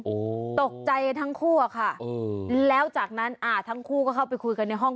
โอ้โหตกใจทั้งคู่อะค่ะเออแล้วจากนั้นอ่าทั้งคู่ก็เข้าไปคุยกันในห้อง